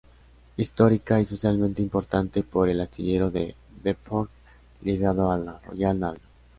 Histórica y socialmente importante por el astillero de Deptford, ligado a la Royal Navy.